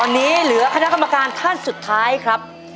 ตอนนี้เหลือคณะกรรมการท่านสุดท้ายครับ